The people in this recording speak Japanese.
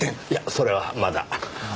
いやそれはまだ。